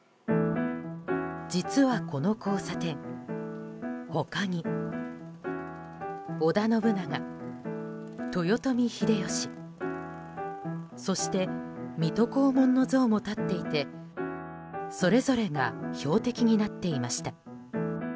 実はこの交差点、他に織田信長、豊臣秀吉そして水戸黄門の像も立っていてそれぞれが標的になっていました。